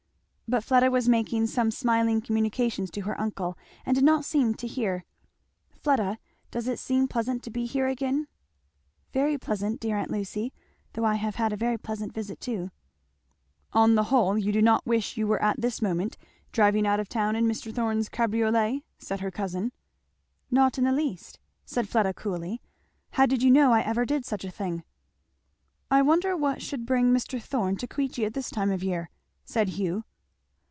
But Fleda was making some smiling communications to her uncle and did not seem to hear. "Fleda does it seem pleasant to be here again?" "Very pleasant, dear aunt Lucy though I have had a very pleasant visit too." "On the whole you do not wish you were at this moment driving out of town in Mr. Thorn's cabriolet?" said her cousin. "Not in the least," said Fleda coolly. "How did you know I ever did such a thing?" "I wonder what should bring Mr. Thorn to Queechy at this time of year," said Hugh.